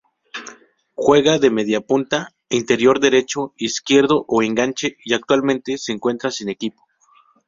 Juega de mediapunta, interior derecho, izquierdo o enganche y actualmente se encuentra sin equipo.